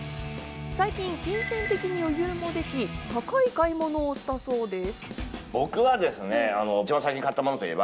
最近、金銭的に余裕もでき、高い買い物をしたそうです。